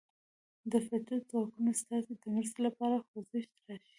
د فطرت ځواکونه ستاسې د مرستې لپاره خوځښت راشي.